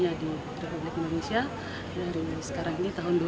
harapan saya ke depannya